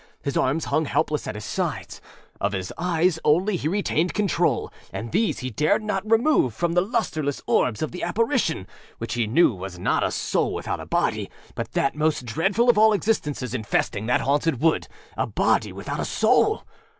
His arms hung helpless at his sides; of his eyes only he retained control, and these he dared not remove from the lusterless orbs of the apparition, which he knew was not a soul without a body, but that most dreadful of all existences infesting that haunted woodâa body without a soul!